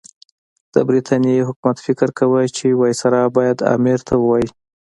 د برټانیې حکومت فکر کاوه چې وایسرا باید امیر ته ووايي.